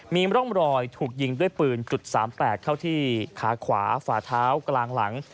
มีร่องรอยถูกยิงด้วยปืน๓๘เข้าที่ขาขวาฝาเท้ากลางหลัง